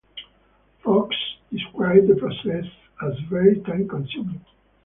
Fox described the process as very time consuming.